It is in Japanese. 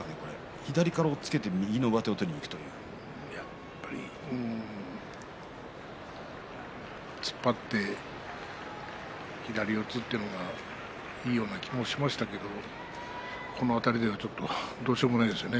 左から押っつけてやっぱり突っ張って左四つというのがいいような気もしましたけれどもこのあたりではどうしようもないですよね。